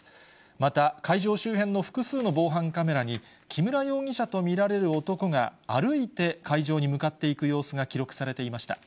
また、会場周辺の複数の防犯カメラに、木村容疑者と見られる男が歩いて会場に向かっていく様子が記録されていました。